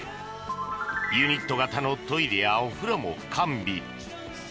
ユニット型のトイレやお風呂も完備。